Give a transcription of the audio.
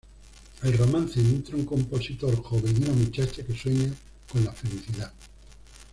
El romance entre un compositor joven y una muchacha que sueña con la felicidad.